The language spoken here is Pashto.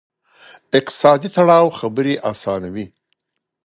اقتصادي تړاو خبرې آسانوي.